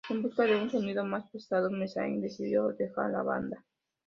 En busca de un sonido más pesado, Messiah decidió dejar la banda.